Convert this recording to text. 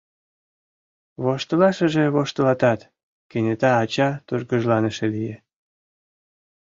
— Воштылашыже воштылатат, — кенета ача тургыжланыше лие.